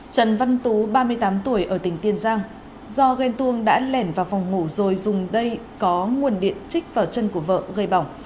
trần văn tú ba mươi tám tuổi ở tỉnh tiền giang do ghen tuông đã lẻn vào phòng ngủ rồi dùng đây có nguồn điện trích vào chân của vợ gây bỏng